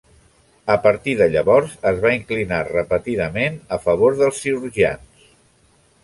A partir de llavors, es va inclinar repetidament a favor dels cirurgians.